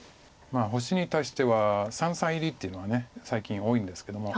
星に対しては三々入りっていうのは最近多いんですけども。